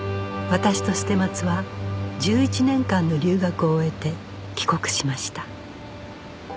私と捨松は１１年間の留学を終えて帰国しました